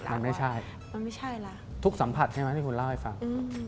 มันไม่ใช่ทุกสัมผัสใช่ไหมที่คุณเล่าให้ฟังอืม